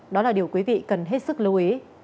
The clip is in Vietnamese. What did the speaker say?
đó là điều quý vị cần hết sức lưu ý